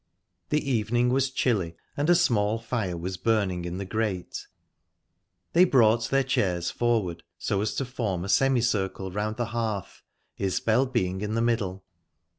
The evening was chilly, and a small fire was burning in the grate. They brought their chairs forward, so as to form a semi circle round the hearth, Isbel being in the middle.